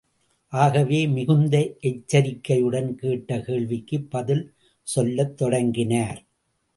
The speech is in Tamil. ஆகவே மிகுந்த எச்சரிக்கையுடன், கேட்ட கேள்விக்குப் பதில் சொல்லத் தொடங்கினார்.